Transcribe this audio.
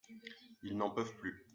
Ils n’en peuvent plus.